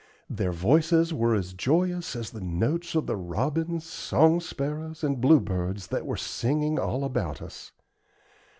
Their voices were as joyous as the notes of the robins, song sparrows, and bluebirds that were singing all about us.